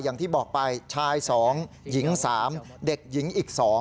อย่างที่บอกไปชาย๒หญิง๓เด็กหญิงอีก๒